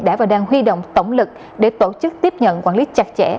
đã và đang huy động tổng lực để tổ chức tiếp nhận quản lý chặt chẽ